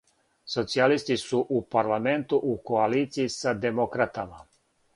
Социјалисти су у парламенту у коалицији са демократама.